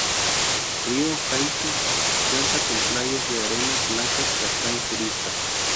Río Hato cuenta con playas de arenas blancas que atraen turistas.